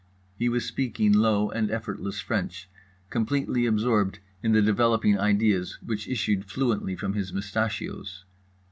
He was speaking low and effortless French, completely absorbed in the developing ideas which issued fluently from his mustachios.